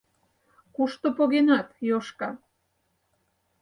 Кушто погенат, Йошка?